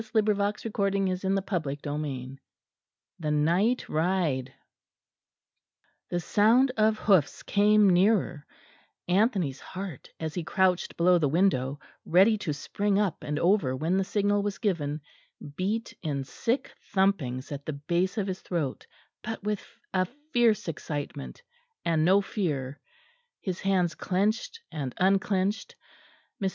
The horses were coming down the lane. CHAPTER XII THE NIGHT RIDE The sound of hoofs came nearer; Anthony's heart, as he crouched below the window, ready to spring up and over when the signal was given, beat in sick thumpings at the base of his throat, but with a fierce excitement and no fear. His hands clenched and unclenched. Mr.